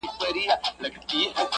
o د ورورولۍ په معنا.